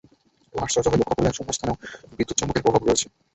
এবং আশ্চর্য হয়ে লক্ষ করলেন, শূন্যস্থানেও বিদ্যুৎ–চুম্বকের প্রভাব রয়েছে।